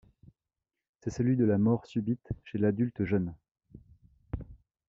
C'est celui de la mort subite chez l'adulte jeune.